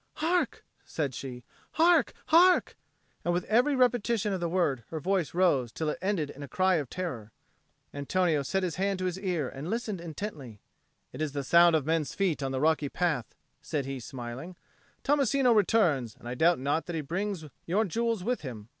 "Hark!" said she. "Hark! hark!" and with every repetition of the word her voice rose till it ended in a cry of terror. Antonio set his hand to his ear and listened intently. "It is the sound of men's feet on the rocky path," said he, smiling. "Tommasino returns, and I doubt not that he brings your jewels with him.